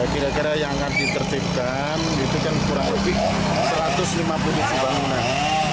kira kira yang akan ditertibkan itu kan kurang lebih satu ratus lima puluh tujuh bangunan